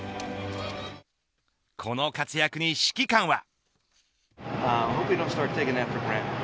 この活躍に指揮官は。